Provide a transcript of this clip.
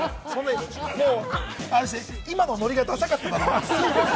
今のノリがダサかったでしょう？